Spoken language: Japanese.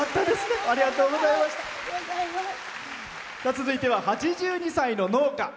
続いては８２歳の農家。